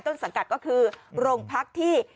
สังกัดก็คือโรงพักที่